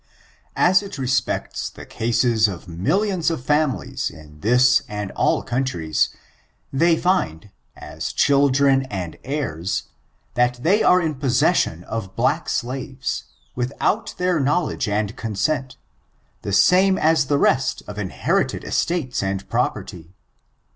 As it respects the cases of millions of families in this and all countries, they find, as children and heirs^ that they are in possession of black slaves, without their knowledge and consent, the same as the rest of inherited estates and property.